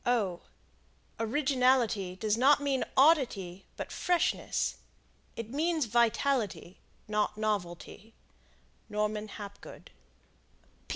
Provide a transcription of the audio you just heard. Originality does not mean oddity, but freshness. It means vitality, not novelty. Norman Hapgood.